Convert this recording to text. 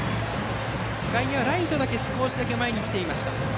外野はライトが少しだけ前に来ていました。